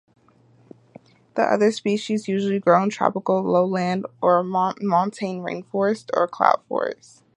The other species usually grow in tropical lowland or montane rainforests or cloud forests.